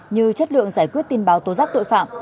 như chất lượng giải quyết tin báo tố giác tội phạm